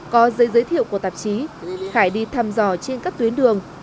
có giấy giới thiệu của tạp chí khải đi thăm dò trên các tuyến đường